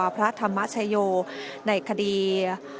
พระธรรมชโยในคดี